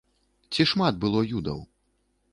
Ці шмат было юдаў?